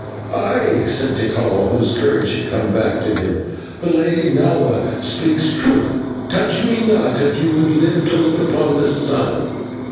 "Aye!" said Tikal, whose courage had come back to him. "The Lady Nahua speaks truth. Touch me not if you would live to look upon the sun."